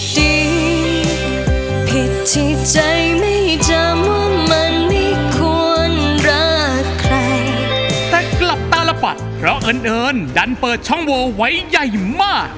แต่กลับตาละปัดเพราะเอิญเอิญดันเปิดช่องวัวไว้ใหญ่มาก